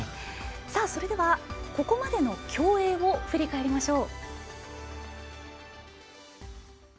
それではここまでの競泳を振り返りましょう。